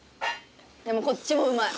でもこっちもうまい。